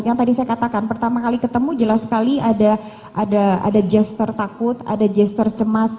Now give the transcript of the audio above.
yang tadi saya katakan pertama kali ketemu jelas sekali ada gesture takut ada gesture cemas